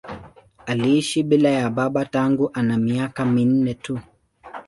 Aliishi bila ya baba tangu ana miaka minne tu.